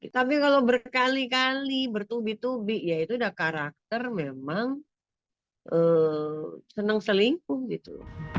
tapi kalau berkali kali bertubi tubi ya itu udah karakter memang seneng selingkuh gitu